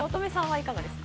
いかがですか？